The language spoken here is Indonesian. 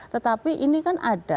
tetapi ini harus diperhatikan